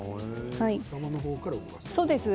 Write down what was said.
頭の方から動かす。